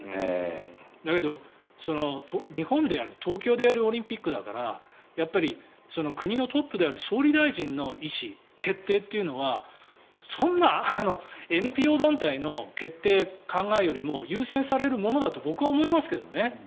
だけど、日本でやる東京でやるオリンピックだから国のトップである総理大臣の意思、決定というのはそんなＮＰＯ団体の決定、考えよりも優先されるものだと僕は思いますけどね。